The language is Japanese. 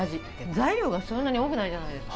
材料がそんなに多くないじゃないですか。